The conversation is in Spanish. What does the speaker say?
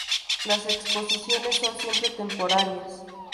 Las exposiciones son siempre temporarias.